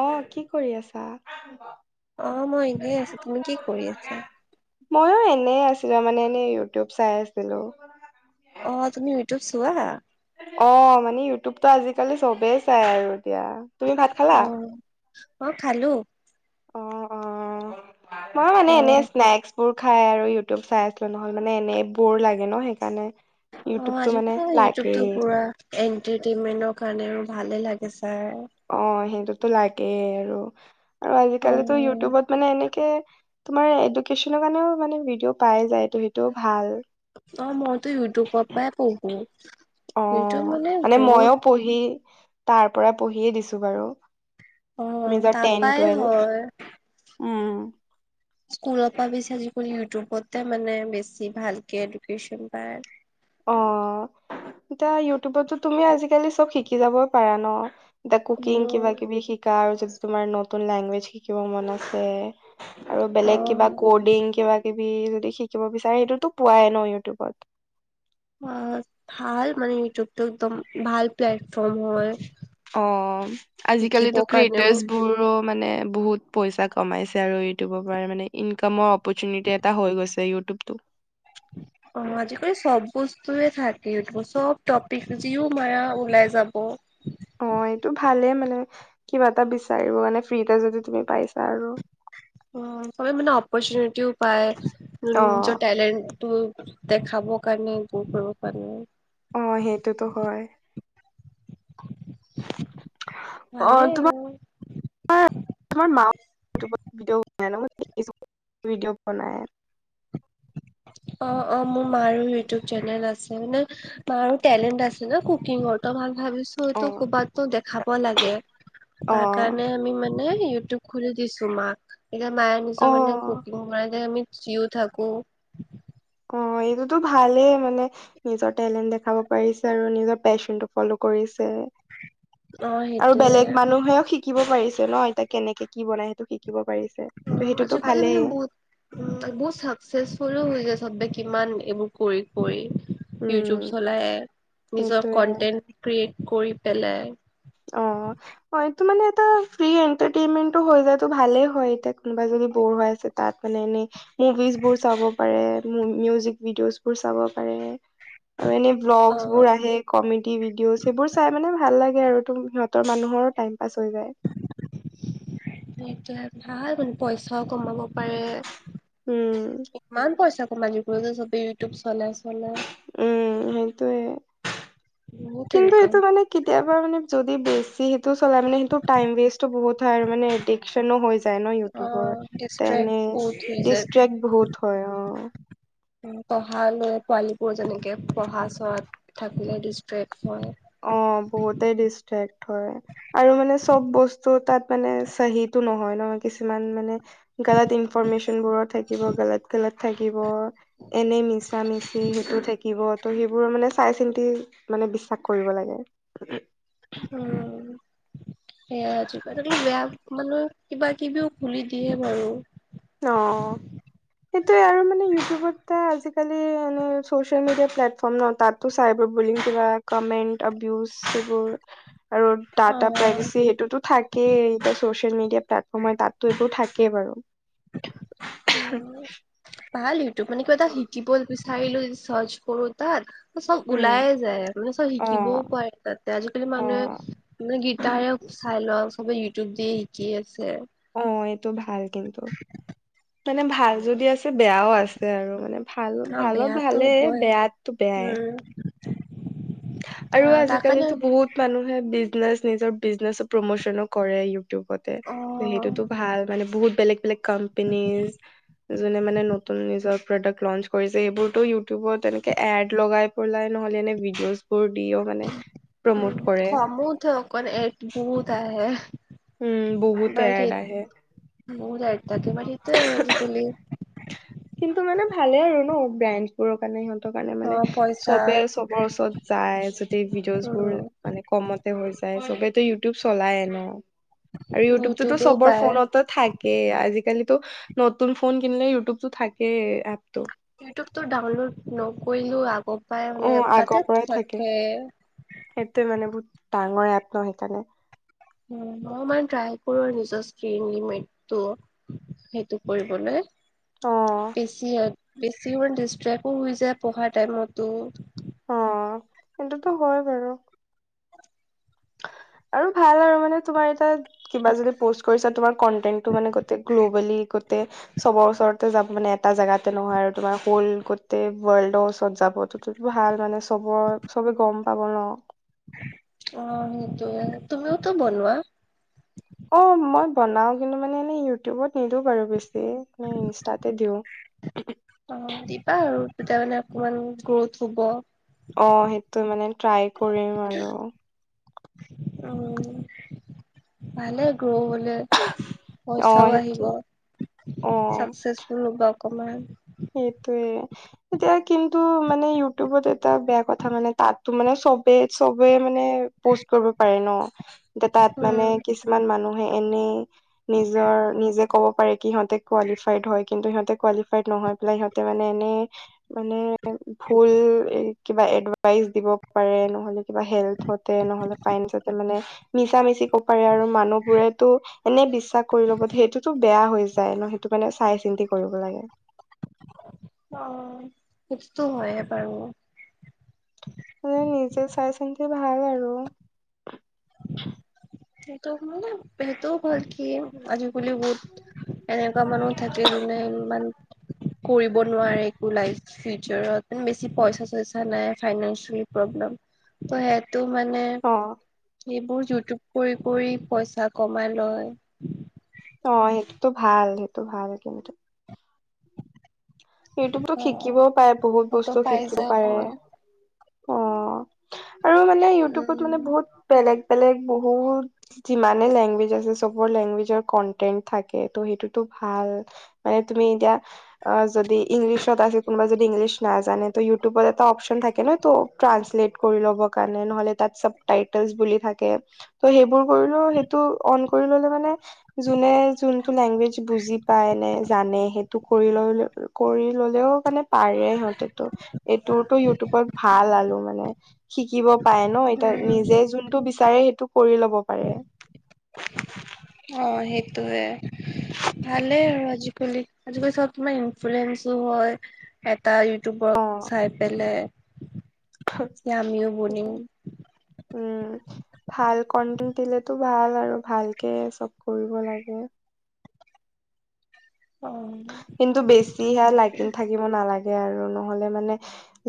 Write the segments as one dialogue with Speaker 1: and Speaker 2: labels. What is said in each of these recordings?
Speaker 1: অ কি কৰি আছা?
Speaker 2: অ মই এনেই আছো তুমি কি কৰি আছা
Speaker 1: মইো এনে আছিলো মানে এনে ইউটিউব চাই আছিলো
Speaker 2: অ তুমি ইউটিউব চোৱা
Speaker 1: অ মানে ইউটিউবতো আজিকালি চবেই চাই আৰু এতিয়া তুমি ভাত
Speaker 2: অ
Speaker 1: খালা
Speaker 2: অ খালো।
Speaker 1: অ অ মই মানে
Speaker 2: অ
Speaker 1: এনে স্নেক্স সোৰ খাই আৰু ইউটিউব চাই আছিলোঁ নহ'ল মানে এনেই বোৰ লাগে ন সেইকাৰণে
Speaker 2: অ'
Speaker 1: ইউটিউবটো মানে
Speaker 2: আজিকালি
Speaker 1: লাগেই
Speaker 2: ইউটোবটো পুৰা এণ্টিটেইনমেন্টৰ কাৰণ আৰু ভালে লাগে। চাই
Speaker 1: অ সেইটোতো লাগেই আৰু আৰু
Speaker 2: অ
Speaker 1: আজিকালি ইউটিউবত মানে এনেকে তোমাৰ এডুকেচনৰ কাৰণেও মানে ভিডিঅ' পাই যায়টো সেইটো ভাল।
Speaker 2: অ' মইতো ইউটোবৰ পৰাই পঢ়ো।
Speaker 1: অ
Speaker 2: ইউটিউব
Speaker 1: মানে
Speaker 2: বহুত
Speaker 1: মইও পঢ়ি তাৰ পৰা পঢ়িয়ে দিছো বাৰু
Speaker 2: অ
Speaker 1: নিজৰ
Speaker 2: তাপাই
Speaker 1: টেন-টোৱেলভ।
Speaker 2: হয়
Speaker 1: উম,
Speaker 2: স্কুলৰ পৰা বেছি আজিকালি ইউটিউবতে মানে বেছি ভালকে এডুকেশ্যন পায়।
Speaker 1: অ' এতিয়া ইউটিউবতো তুমি আজিকালি চব শিকি যাব পাৰা ন। দা কুকিং,
Speaker 2: উম
Speaker 1: কিবা-কিবি শিকা আৰু যদি তোমাৰ নতুন লেংগুৱেজ শিকিব মন আছে। আৰু
Speaker 2: অ
Speaker 1: বেলেগ কিবা কডিং কিবা কিবি যদি শিকিব বিচাৰে সেইটোতো পোৱাই ন ইউটিউবত।
Speaker 2: অ' ভাল মানে, ইউটিউবটো একদম ভাল প্লেট।
Speaker 1: অ' আজিকালিতো
Speaker 2: শিকিবৰ কাৰণেও
Speaker 1: ক্ৰিয়েটাৰ্চ বোৰো মানে বহুত পইচা কমাইছে, আৰু ইউটিউবৰ পৰা মানে ইনকামৰ অপৰচুনিটি এটা হৈ গৈছে ইউটিউবটো।
Speaker 2: অ আজিকালি চব বস্তুৱে থাকে ইউটোবত চব টপিক যিও মায়া ওলাই যাব
Speaker 1: অ, এইটো ভালে মানে কিবা এটা বিচাৰ মানে ফ্ৰী য তুমি পাইছা আৰু
Speaker 2: অ, মানে অপৰ্চুনিটিও পায়
Speaker 1: অ
Speaker 2: টেলেণ্টতো দে খাব কাৰণে দূৰ কৰিব কাৰণে।
Speaker 1: অ, সেইটোতো হয়। অ
Speaker 2: ভালে
Speaker 1: তোমাৰ
Speaker 2: আৰু।
Speaker 1: তোমাৰ [unintelligible] মাউ ভিডিঅ বন ভিডিঅ' বনাই।
Speaker 2: অ', অ', মোৰ মাৰো ইউটিউব চেনেল আছে মানে মাৰো টেলেণ্ট আছে। কুকিঙৰ ত মই ভাবিছো
Speaker 1: অ
Speaker 2: টো ক'বাতো দেখাব লাগে
Speaker 1: অ
Speaker 2: তাৰ কাৰণে আমি মানে ন ইউটিউব খুলি দিছো মাক এতিয়া মায়ে
Speaker 1: অ
Speaker 2: নিজৰ মানে কুকিং কৰা আমি চিও থাকো।
Speaker 1: অ, এইটোতো ভালেই মানে নিজৰ টেলেণ্ট দেখাব পাৰিছে আৰু নিজৰ পেশ্বন টো ফ'ল' কৰিছে ছে
Speaker 2: অ
Speaker 1: আৰু
Speaker 2: সেইটোয়ে
Speaker 1: বেলেগ মানুহেও শিকিব পাৰিছে। ন এতিাক কেনেকে কি বনাই সেইটো শিকিব পাৰিছে। ত' সেইটোতো
Speaker 2: আজিকালি
Speaker 1: ভালেই
Speaker 2: মানে বহুত উম, বহুত চাকচেছফুল হৈ যায় সব ব কিমান এইবোৰ কৰি-কৰি।
Speaker 1: উম
Speaker 2: ইউটিউব চলাই নিজৰ
Speaker 1: সেইটোয়ে
Speaker 2: কনটেন্ট ক্ৰিয়েট কৰি পেলাই
Speaker 1: অ মাইকীমানুহ এটা ফ্ৰি এন্টাৰটেইনমেন্ট হৈ যায়টো ভালেই হয় কোনোবা য বৰ হৈ আছে তাত মানে এনেভিজ বোৰ চাব পাৰে মিউজিক ভিডিঅ বোৰ চাব পাৰে। আৰু এনে ভ্লগ
Speaker 2: অ'
Speaker 1: বোৰ আহে কমেড ভিডিঅ' সেইবোৰ চাই মানে ভাল লাগে আৰু। সিহঁতৰ মানুহৰো টাইম পাছ হৈ যায়।
Speaker 2: সেইটোয়ে ভাল মান পইচাও কমাব পাৰে
Speaker 1: উম,
Speaker 2: ইমান পইচা অমালি কলেজৰ চবে ইউটউব চলাই আছে
Speaker 1: উম সেইটোয়ে
Speaker 2: বহুত
Speaker 1: কিন্তু
Speaker 2: ইনকাম
Speaker 1: এইটো মানে কেতিয়াবা মানে য বেছি সেইটো চলাই মানে সেইটো টাইম ৱেষ্টো বহুত হয় আৰু মানে এডিক্চনো হৈ য ন ইউটিউবৰ
Speaker 2: অ' ডিষ্ট্ৰেক্ট
Speaker 1: তেনে
Speaker 2: বহুত হৈ যায়
Speaker 1: ডিচ্ৰেকট বহুত হয় অ,
Speaker 2: পঢ়ালৈ পোৱালী বোৰ যেনেকে পঢ়া চোৱাত থাকিলে ডিষ্ট্ৰেক্ট হয়।
Speaker 1: অ' বহুতে ডিষ্ট্ৰেক্ট হয়। আৰু মানে চব বস্তু তাত মানে চহিত তো নহয় ন'। কিছুমান মানে গলত ইনফৰমেশচনবোৰো থাকিব, গলত - গলত থাকিব। এনেই মিছামিছি সেইটো থাকিব, তো সেইবোৰ মানে চাইচিন্তি মানে বিশ্বাস কৰিব লাগে।
Speaker 2: উম। সেয়া আজিকালি বেয়া মানে কিবা কিবিও খুলি দিয়ে বাৰু।
Speaker 1: অ'। সেইটোয়ে আৰু মানে ইউটিউবত আজিকালি এনে চচিয়েল মিডিয় প্লেটফৰ্ম ন তাতো চাই। [unintelligible] কমেণ্ট অভিউজ সেই আৰু
Speaker 2: অ
Speaker 1: টাটা প্ৰাইভেচী সেইটোতো থাকেই তা চচি [unintelligible] তাতটো একো থাকেই বাৰু।
Speaker 2: ভাল ইউটিউব মানে কিবা এটা শিকিব বিচাৰিলো য-চাৰ্চ কৰো তাত। চব
Speaker 1: উম
Speaker 2: ওলাইে যায় মানে চব
Speaker 1: অ
Speaker 2: শিকিবও পাৰে তাতে আজিকালি
Speaker 1: অ
Speaker 2: মানুহে মানে গীটাৰেও চাই লওঁ চবে ইউটিউব দিয়ে শিকি আছে।
Speaker 1: অ এইটো ভাল কিন্তু মানে ভাল যদি আছে বেয়াও আছে আৰু মানে। ভাল
Speaker 2: অ
Speaker 1: ভালত
Speaker 2: বেয়াতো
Speaker 1: ভালে
Speaker 2: হবই
Speaker 1: বেয়াটো বেয়াই।
Speaker 2: উম
Speaker 1: আৰু
Speaker 2: তাৰ
Speaker 1: আজিকালি
Speaker 2: কাৰণে
Speaker 1: টো বহুত মানুহে বিজনেচ নিজৰ বিজনেচো প্ৰমূচনো কৰে ইউ টোবতে
Speaker 2: অ
Speaker 1: ত, সেইটোতো ভাল মানে বহুত বেলেগ বেলেগ কম্পেনী যোনে মানে নতুন নিজৰ প্ৰডাক্ট লঞ্চ কৰিছে এইবোৰতো ইউটিউবত তেনেকে এড লগাই পেলাই নহলে এনে ভিডিঅ'জ বোৰ দিয়েও মানে
Speaker 2: উম
Speaker 1: প্ৰমোট কৰে।
Speaker 2: খঙো উঠে অকণ এড বহুত আহে।
Speaker 1: উম, বহুতে
Speaker 2: বাট
Speaker 1: এড
Speaker 2: সেই
Speaker 1: আহে।
Speaker 2: বহুত আহে।
Speaker 1: কিন্তু মানে ভালেই নু ব্ৰেণ্ড বোৰৰ কাৰণে সিহত ট কাৰণে
Speaker 2: অ
Speaker 1: মানে
Speaker 2: পইচা
Speaker 1: চবে চবৰ ওচৰত যায় যদি ভিডিঅ'জ বোৰ
Speaker 2: উম
Speaker 1: মানে কমতে হৈ যায়। পায়ে ছবেইটো ইউট টো চলায়ে ন, আৰু ইউটোবটো
Speaker 2: ইউটিউবেও
Speaker 1: ছবৰ
Speaker 2: পায়
Speaker 1: ফোনতে থাকেই আজি আজিকালিতো নতুন ফোন কিনিলে ইউটিউবটো থাকে এপ
Speaker 2: ইউটিউবটো ডাউনলোড নকৰিলো। আগৰ পৰাই
Speaker 1: অ
Speaker 2: মানে তাতে
Speaker 1: আগৰ পৰাই থাকে। সেইটোৱে মানে বহুত ডাঙৰে এপ ন সেইকাৰণে।
Speaker 2: উম, মই মানে ট্ৰাই কৰি আহিছোঁ স্কিনলী মিত্তো সেইটো কৰিবলৈ।
Speaker 1: অ
Speaker 2: বেছি বেছিমান ডিষ্ট্ৰেকো হৈ যায় পঢ়া টাইমতো।
Speaker 1: অ' সেইটোতো হয় বাৰু। আৰু ভাল আৰু মানে তোমাৰ এটাত কিবা যদি পষ্ট কৰিছা তোমাৰ কটেন্টো মানে গোটে গ্ল'বেলি টে চবৰ ওচৰতে যাব মানে এটা জোগাতে নহয় আৰু তোমাৰ হল গোটেই ৱৰ্ল্ডৰ ওচৰত যাব। সেইটোতো ভাল মানে চবৰ চবে গম পাব ন?
Speaker 2: অ' সেইটো তুমিওত বনোৱা।
Speaker 1: অ' মই বনাও কিন্তু মানে এনে ইউটিউবত নিদিওঁ বাৰু বেছি। হেই মই ইনষ্টাতে দিওঁ।
Speaker 2: অ' দিবা আৰু তেতিয়া মানে অকমান গ্ৰথ হ'ব।
Speaker 1: অ' সেইটো মানে ট্ৰাই কৰিম আৰু।
Speaker 2: উম, ভালেই। গ্ৰ' হলে
Speaker 1: অ
Speaker 2: পইচাও
Speaker 1: সেইটো
Speaker 2: আহিব
Speaker 1: অ
Speaker 2: চাকচেচফুল হ'ব। অকমান
Speaker 1: সেইটোয়ে এতিয়া কিন্তু মানে ইউটিউবত এটা বেয়া কথা মানে তাতো মানে চবে চবে মানে পষ্ট কৰিব পাৰে ন এ তাত মানে
Speaker 2: উম।
Speaker 1: কিছুমান মানু হয় এনে নিজৰ নিজে ক'ব পাৰে কিহতে কোৱালিফাইট হয় কিন্তু সিহঁতে কোৱালিফাইট নহয়। তোলাই হীহঁতে মানে এনে মানে ভুল কিবা এডভাইচ দিব পাৰে। এনু হলে কিবা হেল নহলে ফাইটতে মানে মিছা মিছি ক'ব পাৰে আৰু মানুহ বোৰেতো এনে বিশ্বাস কৰি ল'ব সেইটোতো বেয়া হৈ যায় ন সেইটো কাৰনে চাই চিন্তি কৰিব লাগে।
Speaker 2: অ', সেইটোতো হয়ে বাৰু।
Speaker 1: মানে নিজে চাই চিন্তি ভাল আৰু
Speaker 2: সেই মানে সেইটোও বা কি আজিকালি বহুত এনেকুৱা মানুহ থাকে যোনে ইমান কৰিব নোৱাৰে একো লাইভ চিপ বেছি পইচা চইচা নাই ফাইনেনঞ্চিয়েল প্ৰব্লেম ত হেয়াই তটো মানে
Speaker 1: অ
Speaker 2: এইবোৰ ইউটিউব কৰি কৰি পইচা কমাই লয়
Speaker 1: অ সেইটোতো ভাল, সেইটো ভাল কিন্তু। ইউটউবতো
Speaker 2: অ
Speaker 1: শিকিবও পাৰে বহুত
Speaker 2: সেইটো
Speaker 1: বস্তু
Speaker 2: পাই
Speaker 1: শিকিব
Speaker 2: যায়
Speaker 1: পাৰে
Speaker 2: অকমান
Speaker 1: অ আৰু মানে ইউটিউবত মানে
Speaker 2: উম
Speaker 1: বহুত বেলেগ বেলেগ বহুত যিমানে লেংগুৱেজ আছে চবৰ লেংগুৱেজৰ কন্টেণ্ন্ট থাকে ত সেইটোতো ভাল অ মানে তুমি এতিয়া অ য দি ইংলিছ ত আছে কোনোবাই ইংলিছ নাজানে ত ইউটিউবত এটা অপচন থাকে ন ত টান্চ লেট কৰিব [inaudible] ললে মানে, যোনে যোনটো লেংগুৱেজ বুজি পায় নে জানে সেইটো কৰি লৈ কৰি ললেও মানে পাৰে সিহঁতেটো, এইটোতো ইউটিউবত ভাল আলো মানে। শিকিব পাই ন এতিয়া
Speaker 2: উম
Speaker 1: নিজে যোনটো বিচাৰে সেইটো কৰি ল'ব পাৰে
Speaker 2: অঁ সেইটোৱে ভালেই আৰু আজিকালি আজিকালি চব তোমাৰ ইনফ্লুৱেন্ঞ্চো হয় তাৰ ইউটিউবক চাই পেলাই আমিও ব নিম
Speaker 1: উম ভাল কন্টেণ্ট দিলেতো ভাল আৰু ভালকে চব কৰিব লাগে
Speaker 2: অ
Speaker 1: কিন্তু বেছিহে লাগি থাকিব নালাগে আৰু নহলে মানে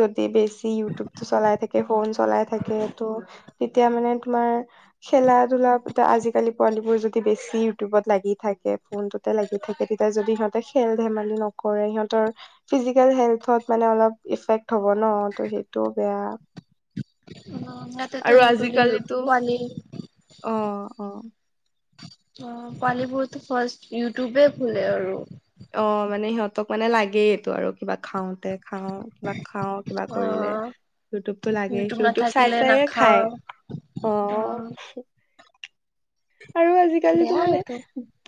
Speaker 1: যত বছি ইউটিবতটো চলাই থাকে ফোন চলাই থাকে ত তেতিয়া মানে তোমাৰ খেলা ধূলা এ আজিকালি প যদি বেছি ইউটিউবত লাগি থাকে ফোনটোতে লাগি থাকে তেতিয়া যদি সিহতে খেল ধেমালি নকৰে সিহতৰ ফিজিকেল হেল্থত মানে অলপ ইফেক্ট হ'ব ন সেইটো বেয়া।
Speaker 2: উম
Speaker 1: আৰু
Speaker 2: সৰু পোৱালি অ
Speaker 1: আজিকালিতো অ অ
Speaker 2: কোৱালী [inaudible] বোৰতো ফাৰ্ষট ইউটিউব খোলে আৰু
Speaker 1: ক মানে লাগেইটো আৰু কিবা খাওঁতে খাওঁ কিবা খাওঁ কিবা কৰিলে
Speaker 2: অ'
Speaker 1: ইউটিউবতটো লাগে ইউটিউব চাই
Speaker 2: নাথাকিলে
Speaker 1: চাইয়ে
Speaker 2: নাখাও
Speaker 1: খায় অ আৰু আজিকালি টো
Speaker 2: বেয়া
Speaker 1: মানে
Speaker 2: এইটো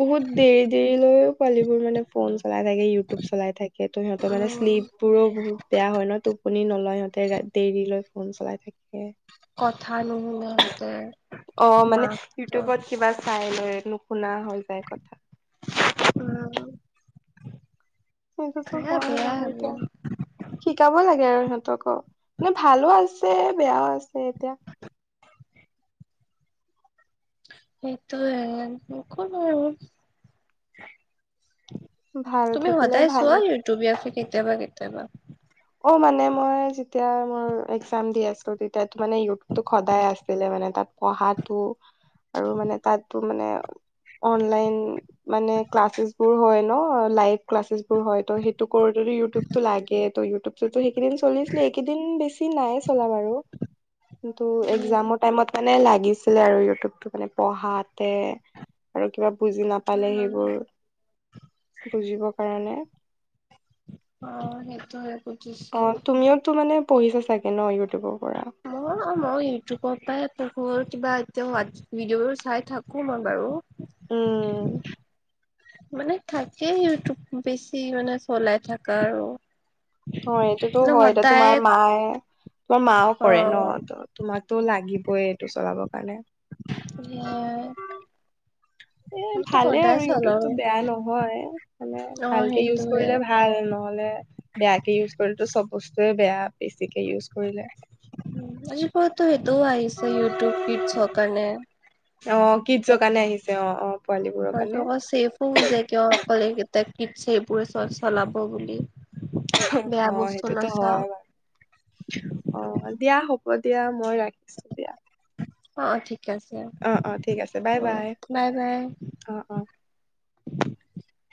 Speaker 1: বহুত দেৰি দেৰি লৈয়ও পোৱালী বোৰ মানে ফোন চলাই থাকে ইউটিউব চলাই থাকে তো সিহঁত মানে
Speaker 2: উম
Speaker 1: শ্লিপবোৰো বেয়া হয় ন টোপনি নধৰে আমাৰসিহঁতে দেৰি লৈ ফোন চলাই থাকে
Speaker 2: কথা নুশুনে সিহঁতে
Speaker 1: অ মানে
Speaker 2: মাক
Speaker 1: ইউটিউবত কিবা চাই লৈ নু শুনা হৈ যায় কথা
Speaker 2: উম
Speaker 1: সেইটোতো
Speaker 2: বেয়া
Speaker 1: হয়
Speaker 2: বেয়া
Speaker 1: বাৰু এতিয়া
Speaker 2: এইবোৰ
Speaker 1: শিকাব লাগে আৰু সিহঁত অ ক ভালো আছে বেয়াও আছে এতিয়া
Speaker 2: এইেইটোো কো
Speaker 1: ভাল
Speaker 2: [inaudible] তুমি
Speaker 1: থাকিলে
Speaker 2: সদায় চোৱা
Speaker 1: ভালে
Speaker 2: ইউটিউব টো কেতিয়াবা কেতিয়াবা
Speaker 1: অ' মানে, মই যেতিয়া মোৰ এক্জাম দি আছিলো, তেতিয়া মানে ইউটতো সদায় আছিলে মানে। তাত পঢ়াতটো আৰু মানে তাতো মানে অনলাইন মানে ক্লাচ ছেচ বোৰ হয় ন লাইভ ক্লাচছ বোৰ হয় ত সেইটো কৰো ইউটিউবটো লাগে, ত' ইউটিউবতো সেইকেইদিন চলিছিলে, এইকেইদিন বেছি নাই চলা বাৰু। কিন্তু
Speaker 2: উম
Speaker 1: এক্জামৰ টাইমত মানে লাগিছিলে আৰু ইউটিউবটো মানে পঢ়াতে আৰু কিবা বুজি নাপালে সেইবোৰ বুজিবৰ কাৰণে
Speaker 2: অ সেইটোয়ে বুজিছো
Speaker 1: অ তুমিওতো মানে পঢ়িছা চাগে ন ইউটিউবত
Speaker 2: ঘৰ কিবা এতিয়া হট ভিডিঅ' চাই থাকো ম।
Speaker 1: উম।
Speaker 2: মানে থাকেই ইউটউব বেছি মানে চলাই থাককা আৰু
Speaker 1: অ', এইটোতো
Speaker 2: ন
Speaker 1: হয় এতিয়া
Speaker 2: সদায়
Speaker 1: তোমাৰ মায়ে তোমাৰ মাও
Speaker 2: অ
Speaker 1: কৰে ন' তোমাক তটো লাগিবই এইটো চলাবৰ কাৰণে। উ
Speaker 2: মইতো
Speaker 1: ভালে
Speaker 2: সদায়
Speaker 1: আৰু
Speaker 2: চলাও
Speaker 1: ইউটিউবটো বেয়া নহয় মানে
Speaker 2: অ
Speaker 1: ভালকে ইউজ
Speaker 2: সেইটোয়ে
Speaker 1: কৰিলে ভাল নহলে বেয়াকে ইউজ কৰিলেো চব বস্তুৱয়ে বেয়া বেছিকে ইউজ কৰিলে।
Speaker 2: আজিপতো সেইটোও আহিছে ইউটিউব কিটছৰ কাৰণে।
Speaker 1: অ কিডছৰ কাৰণে আহিছে অ', অ'। পোৱালীবোৰৰ
Speaker 2: হয়তো
Speaker 1: কাৰণে
Speaker 2: অকল ছেফো হৈ যায় কিয় অকল এইকেইটা সেইবোৰৰে চলাব বুলি বেয়া
Speaker 1: অ'
Speaker 2: বস্তু
Speaker 1: সেইটোতো
Speaker 2: নাচাও
Speaker 1: হয় বাৰু অ' দিয়া হ'ব। হ'ব দিয়া মই ৰাখিছো দিয়া।
Speaker 2: অ', অ', ঠিক। আছে
Speaker 1: অ', অ', ঠিক আছে বাই
Speaker 2: অ
Speaker 1: বাই
Speaker 2: বাই
Speaker 1: অ', অ'। [inaudible]